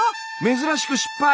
珍しく失敗。